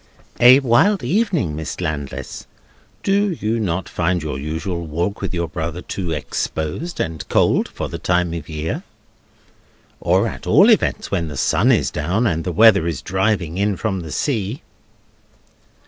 "A wild evening, Miss Landless! Do you not find your usual walk with your brother too exposed and cold for the time of year? Or at all events, when the sun is down, and the weather is driving in from the sea?"